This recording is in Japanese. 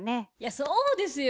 そうですよ。